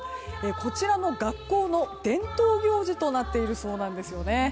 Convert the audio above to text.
こちらの学校の伝統行事となっているそうなんですよね。